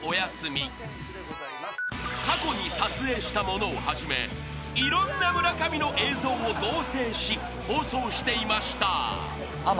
［過去に撮影したものをはじめいろんな村上の映像を合成し放送していました］